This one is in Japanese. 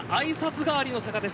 代わりの坂です。